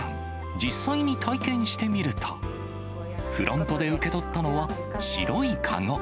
実際に体験してみると、フロントで受け取ったのは、白いカゴ。